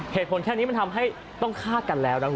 เหตุผลแค่นี้มันทำให้ต้องฆ่ากันแล้วนะคุณ